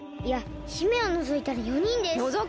いや姫をのぞいたら４人です。